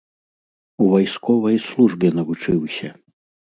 У вайсковай службе навучыўся.